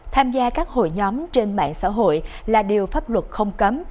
tham gia các hội nhóm trên mạng xã hội là điều pháp luật không cấm